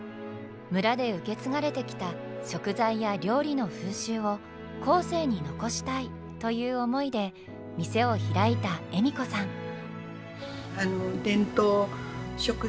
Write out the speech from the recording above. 村で受け継がれてきた食材や料理の風習を後世に残したいという思いで店を開いた笑子さん。